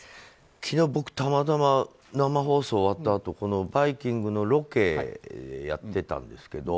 昨日、僕たまたま生放送終わったあと「バイキング」のロケをやってたんですけど。